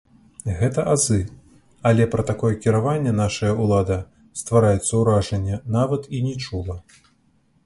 Гэта азы, але пра такое кіраванне нашая ўлада, ствараецца ўражанне, нават і не чула.